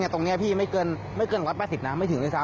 เนี่ยตรงเนี้ยพี่ไม่เกินไม่เกินร้อยแปดสิบนะไม่ถึงด้วยซ้ำ